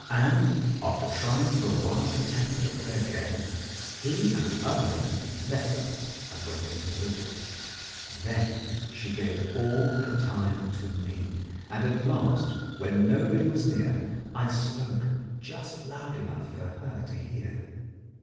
and, after trying for awhile to tempt her to play again, he and the other men left her and went into the building. Then she gave all her time to me, and at last, when nobody was near, I spoke just loud enough for her to hear.